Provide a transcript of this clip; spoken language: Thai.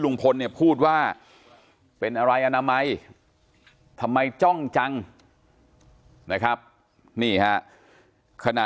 ลุงพลเนี่ยพูดว่าเป็นอะไรอนามัยทำไมจ้องจังนะครับนี่ฮะขณะ